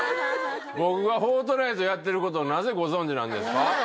僕が「フォートナイト」やってることをなぜご存じなんですか？